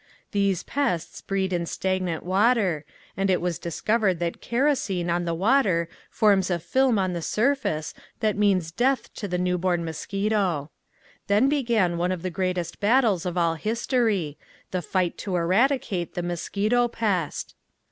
These pests breed in stagnant water and it was discovered that kerosene on the water forms a film on the surface that means death to the newborn mosquito. Then began one of the greatest battles of all history, the fight to eradicate the mosquito pest.